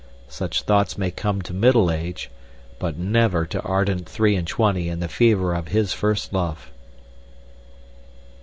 Such thoughts may come to middle age; but never to ardent three and twenty in the fever of his first love.